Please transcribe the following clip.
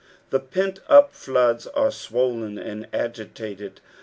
The peiit up floods are swollen and agitated.